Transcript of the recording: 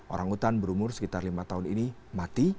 orangutan berumur sekitar lima tahun ini mati